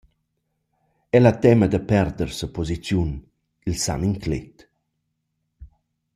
El ha temma da perder sa posiziun, il san inclet.